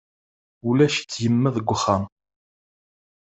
Ulac-itt yemma deg wexxam.